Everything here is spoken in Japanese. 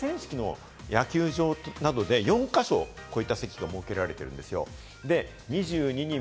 例えば河川敷の野球場などで４か所、こういった席が設けられているんですよ。